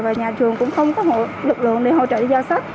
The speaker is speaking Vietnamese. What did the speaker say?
và nhà trường cũng không có lực lượng để hỗ trợ đi giao sách